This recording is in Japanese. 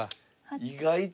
意外と。